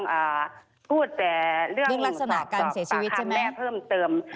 พูดแต่เรื่องสต่อคันแม่เพิ่มเติมเรื่องลักษณะการเสียชีวิตใช่ไหม